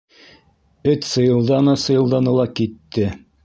Эт сыйылданы-сыйылданы ла китте.